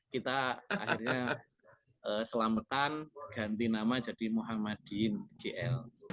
kita akhirnya selamatkan ganti nama jadi muhammadin gl